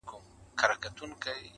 نو خود به اوس ورځي په وينو رنگه ككــرۍ.